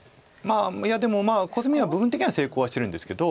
いやでもまあコスミは部分的には成功はしてるんですけど。